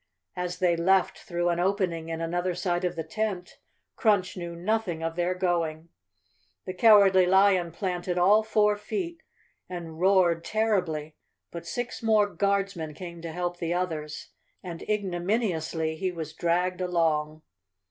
As they left through an opening in another side of the tent, Crunch knew nothing of their going. The Cowardly Lion planted all four feet and roared terribly but six more Guardsmen came to help the others and ignominiously he was dragged along.